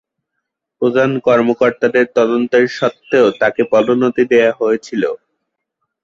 প্রধান কর্মকর্তাদের তদন্তের সত্ত্বেও তাকে পদোন্নতি দেওয়া হয়েছিল।